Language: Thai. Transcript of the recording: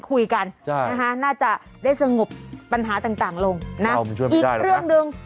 คุยกันน่าจะได้สงบปัญหาต่างลงนะอีกเรื่องหนึ่ง